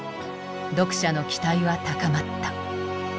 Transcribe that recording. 読者の期待は高まった。